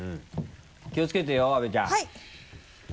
気をつけてよ阿部ちゃん。はい。